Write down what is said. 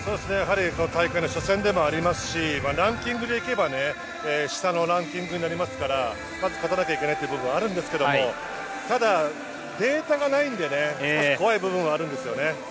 大会の初戦でもありますしランキングで行けば下のランキングになりますからまず勝たなければいけない部分はあるんですがただ、データがないので少し怖い部分はあるんですよね。